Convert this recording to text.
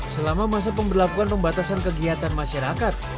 selama masa pemberlakuan pembatasan kegiatan masyarakat